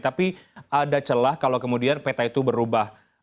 tapi ada celah kalau kemudian peta itu berubah